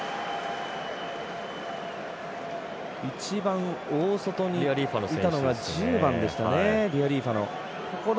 一番大外にいたのが１０番でしたね、リアリーファノ。